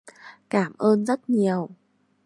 cảm ơn rất nhiều